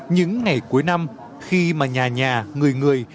những ngày cuối năm khi mà nhà nhà người người